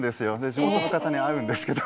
地元の方に会うんですけど。